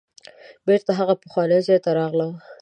بیرته هغه پخواني ځای ته راغلم.